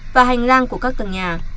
và hành lang của các tầng nhà